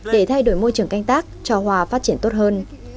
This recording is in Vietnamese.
để thay đổi môi trường canh tác cho hòa phát triển tốt hơn